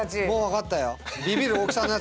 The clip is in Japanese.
もう分かったよ。